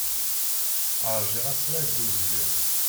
Ṛjiɣ asrag d uzgen.